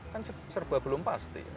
kan serba belum pasti